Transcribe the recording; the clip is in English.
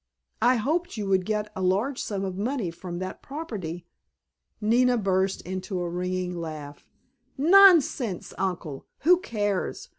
I hoped you would get a large sum of money from that property——" Nina burst into a ringing laugh. "Nonsense, Uncle! Who cares!